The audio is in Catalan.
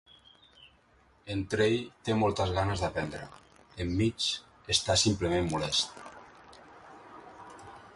En Trey té moltes ganes d'aprendre, en Mitch està simplement molest.